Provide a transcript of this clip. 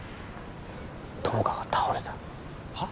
友果が倒れたはっ？